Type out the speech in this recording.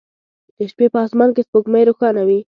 د شپې په اسمان کې سپوږمۍ روښانه وي